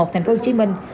thành phố hồ chí minh